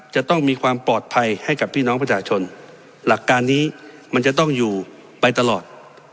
จะต้องมีความปลอดภัยให้กับพี่น้องประชาชนหลักการนี้มันจะต้องอยู่ไปตลอด